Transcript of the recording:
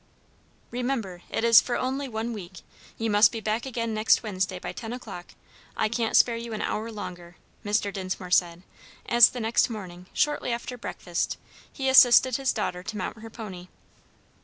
"Remember it is for only one week; you must be back again next Wednesday by ten o'clock; I can't spare you an hour longer," Mr. Dinsmore said, as the next morning, shortly after breakfast, he assisted his daughter to mount her pony.